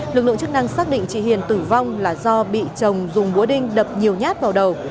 lực lượng chức năng xác định chị hiền tử vong là do bị chồng dùng búa đinh đập nhiều nhát vào đầu